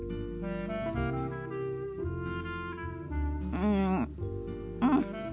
うんうん。